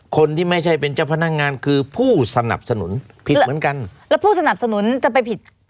คนที่ไม่ใช่เป็นเจ้าพนักงานคือผู้สนับสนุนผิดเหมือนกันแล้วผู้สนับสนุนจะไปผิด